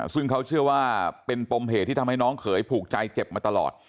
ซึ่งเขาเชื่อว่าเป็นปมเหตุที่ทำให้น้องเขยผูกใจเจ็บมาตลอด